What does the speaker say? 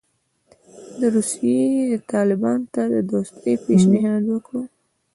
روسیې طالبانو ته د دوستۍ پېشنهاد وکړ.